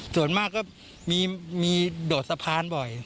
ส่วนมากก็มีโดดสะพานบ่อย